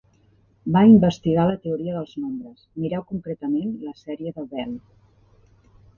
Va investigar la teoria dels nombres; mireu concretament la sèrie de Bell.